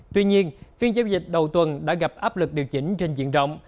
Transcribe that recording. tuy nhiên phiên giao dịch đầu tuần đã gặp áp lực điều chỉnh trên diện rộng